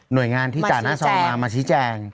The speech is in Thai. หน่วยงานที่จากหน้าสอบมามาชี้แจง